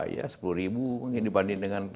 ya sepuluh ribu mungkin dibanding dengan